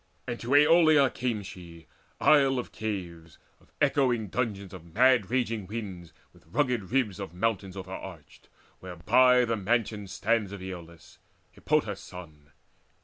And to Aeolia came she, isle of caves, Of echoing dungeons of mad raging winds With rugged ribs of mountain overarched, Whereby the mansion stands of Aeolus Hippotas' son.